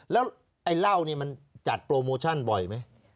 แล้วไอ้เหล้านี่มันจัดโปรโมชั่นบ่อยไหม